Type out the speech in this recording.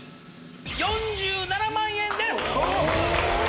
４７万円です